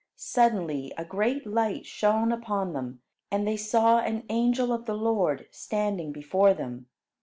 Suddenly, a great light shone upon them, and they saw an angel of the Lord standing before them.